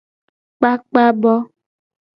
Kpakpa bo.